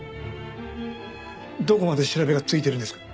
どこまで調べがついてるんですか？